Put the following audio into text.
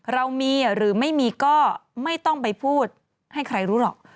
เรามีหรือไม่มีก็ไม่ต้องไปพูดให้ใครรู้หรอก